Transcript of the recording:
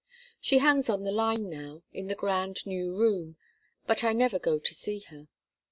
She hangs on the line now, in the grand new room; but I never go to see her.